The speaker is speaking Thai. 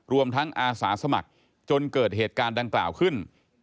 รวมทั้งอาสาสมัครจนเกิดเหตุการณ์ดังกล่าวขึ้น